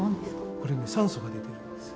これね酸素が出てるんです。